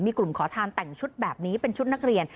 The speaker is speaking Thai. มีกลุ่มขอทานแต่งชุดแบบนี้เป็นชุดนักเรียน